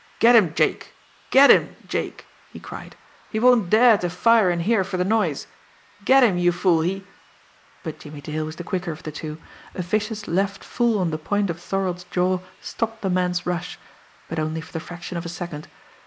"Get him, Jake! Get him, Jake!" he cried. "He won't dare to fire in here for the noise. Get him, you fool, he " But Jimmie Dale was the quicker of the two. A vicious left full on the point of Thorold's jaw stopped the man's rush but only for the fraction of a second.